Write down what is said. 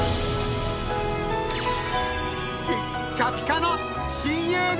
ピッカピカの新遊具！